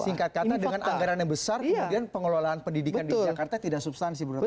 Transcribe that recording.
singkat kata dengan anggaran yang besar kemudian pengelolaan pendidikan di jakarta tidak substansi menurut anda